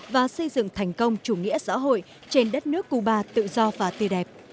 và xây dựng thành công chủ nghĩa xã hội trên đất nước cuba tự do và tươi đẹp